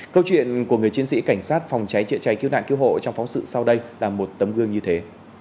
câu chuyện của người chiến sĩ cảnh sát phòng cháy chữa cháy cứu nạn cứu hộ trong phóng sự sau đây là một tấm gương như thế